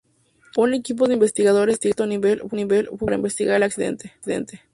Un "equipo de investigadores de alto nivel" fue formado para investigar el accidente.